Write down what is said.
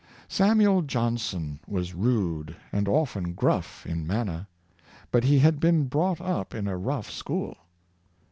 Samuel Johnson was rude and often gruff in manner. But he had been brought up in a rough school.